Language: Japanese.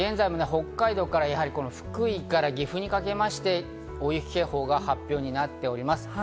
現在も北海道から福井から岐阜にかけましても大雪警報が発表されています。